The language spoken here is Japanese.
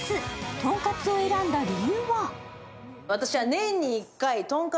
とんかつを選んだ理由は？